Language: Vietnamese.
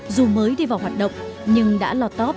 dù mới đi vào hoạt động nhưng đã lò tóp